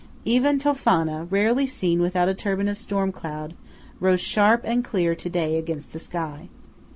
Even Tofana, rarely seen without a turban of storm cloud, rose sharp and clear to day against the sky.